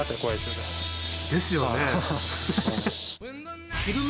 ですよね。